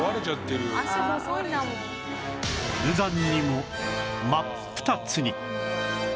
無残にも真っ二つに